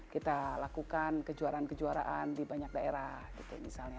kita lakukan kejuaraan kejuaraan di banyak daerah gitu misalnya